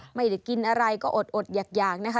เรากันกินอะไรก็อดหยักนะคะ